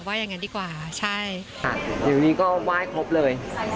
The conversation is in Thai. เดี๋ยววันนี้ก็ไหว้ครบเลย